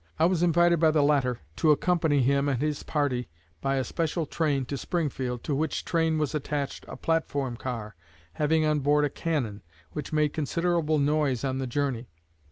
I was invited by the latter to accompany him and his party by a special train to Springfield, to which train was attached a platform car having on board a cannon, which made considerable noise on the journey.